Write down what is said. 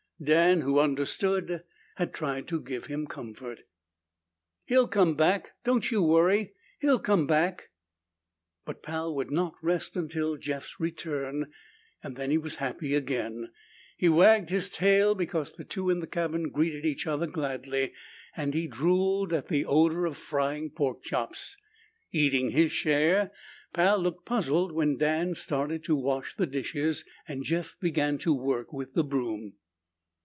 Dan, who understood, had tried to give him comfort. "He'll come back. Don't you worry. He'll come back." But Pal would not rest until Jeff's return and then he was happy again. He wagged his tail because the two in the cabin greeted each other gladly, and he drooled at the odor of frying pork chops. Eating his share, Pal looked puzzled when Dan started to wash the dishes and Jeff began to work with the broom.